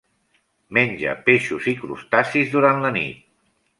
Menja peixos i crustacis durant la nit.